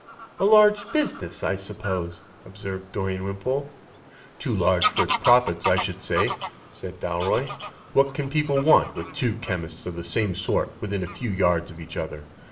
"A large business, I suppose," observed Dorian Wimpole. "Too large for its profits, I should say," said Dal roy. "What can people want with two chemists of the same sort within a few yards of each other?